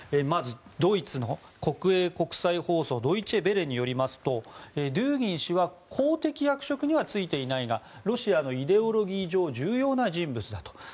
まずドイツの国際国営放送ドイチェ・ヴェレによりますとドゥーギン氏は公的役職には就いていないがロシアのイデオロギー上重要な人物だと。